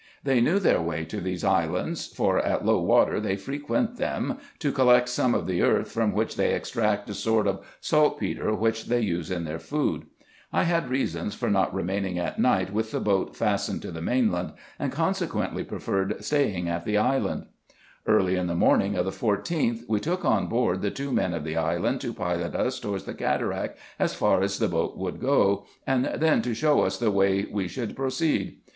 They knew their way to these islands ; for at low water they frequent them, to collect some of the earth, from which they extract a sort of salt petre, which they use in their food. I had reasons for not remaining IN EGYPT, NUBIA, &c. 89 at night with the boat fastened to the main land, and consequently preferred staying at the island. Early in the morning of the 14th, we took on board the two men of the island, to pilot us towards the cataract as far as the boat could go, and then to show us the way we should proceed.